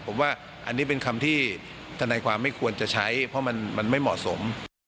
ผมว่าอันนี้เป็นคำที่ธนายความไม่ควรจะใช้เพราะมันไม่เหมาะสม